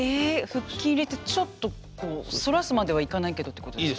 腹筋入れてちょっとこう反らすまではいかないけどってことですか。